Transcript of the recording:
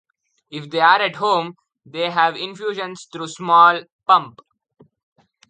If they are at home, they have the infusions through a small pump.